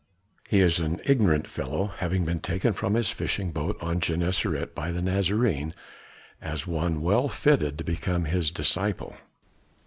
He is an ignorant fellow, having been taken from his fishing boat on Gennesaret by the Nazarene, as one well fitted to become his disciple."